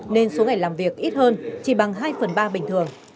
nên số ngày làm việc ít hơn chỉ bằng hai phần ba bình thường